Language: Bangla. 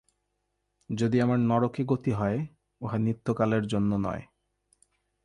যদি আমার নরকে গতি হয়, উহা নিত্যকালের জন্য নয়।